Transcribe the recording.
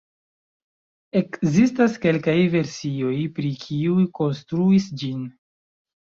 Ekzistas kelkaj versioj pri kiu konstruis ĝin.